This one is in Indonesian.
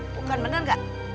bukan bener gak